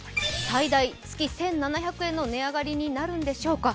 最大月７００円の値上がりになるんでしょうか。